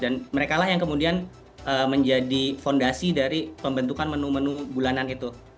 dan mereka lah yang kemudian menjadi fondasi dari pembentukan menu menu bulanan itu